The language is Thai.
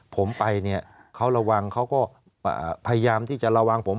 ผมไปเนี่ยเขาระวังเขาก็พยายามที่จะระวังผม